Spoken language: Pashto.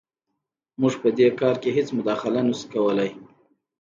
موږ په دې کار کې هېڅ مداخله نه شو کولی.